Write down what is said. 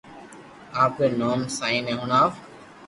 آپري نوم سائين ني ھڻاو